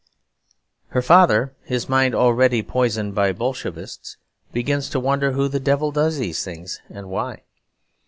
Her father, his mind already poisoned by Bolshevists, begins to wonder who the devil does these things, and why.